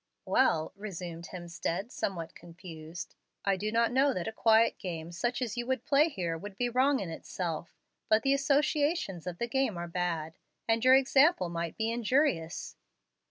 "Well," resumed Hemstead, somewhat confused, "I do not know that a quiet game such as you would play here would be wrong in itself. But the associations of the game are bad, and your example might be injurious."